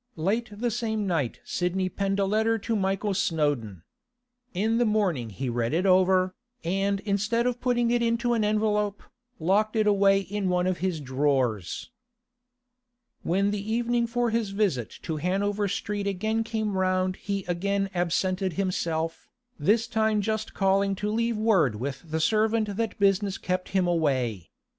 Late the same night Sidney penned a letter to Michael Snowdon. In the morning he read it over, and instead of putting it into an envelope, locked it away in one of his drawers. When the evening for his visit to Hanover Street again came round he again absented himself, this time just calling to leave word with the servant that business kept him away.